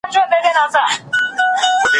هر علت خپله معلولیت لري.